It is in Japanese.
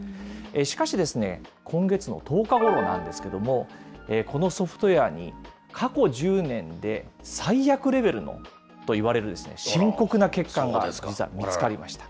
しかしですね、今月の１０日ごろなんですけれども、このソフトウエアに、過去１０年で最悪レベルといわれる深刻な欠陥が、実は見つかりました。